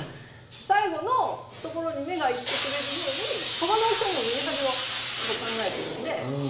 最後のところに目が行ってくれるように、コマの大きさにもメリハリを考えてるんで。